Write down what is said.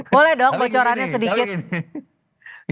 boleh dong bocorannya sedikit